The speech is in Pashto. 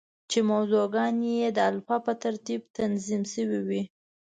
چې موضوع ګانې یې د الفبا په ترتیب تنظیم شوې وې.